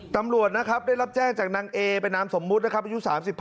ตำรวจนะครับได้รับแจ้งจากนางเอเป็นนามสมมุตินะครับอายุ๓๕